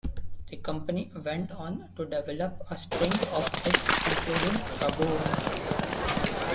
The company went on to develop a string of hits including Kaboom!